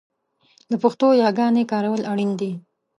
د پښتو یاګانې کارول اړین دي